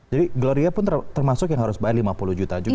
jadi gloria pun termasuk yang harus bayar lima puluh juta juga